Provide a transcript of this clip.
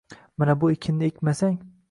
mana bu ekinni ekmasang